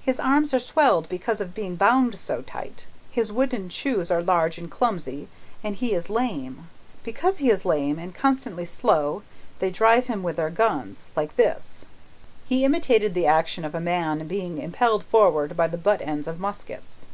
His arms are swelled because of being bound so tight, his wooden shoes are large and clumsy, and he is lame. Because he is lame, and consequently slow, they drive him with their guns like this!" He imitated the action of a man's being impelled forward by the butt ends of muskets.